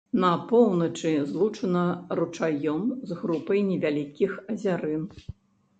На поўначы злучана ручаём з групай невялікіх азярын.